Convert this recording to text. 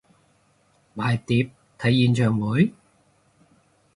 買碟睇演唱會？